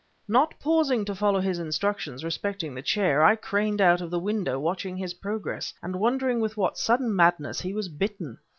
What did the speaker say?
Not pausing to follow his instructions respecting the chair, I craned out of the window, watching his progress, and wondering with what sudden madness he was bitten.